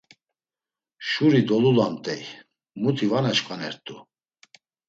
Şuri dolulamt̆ey, muti va naşǩvanert̆u.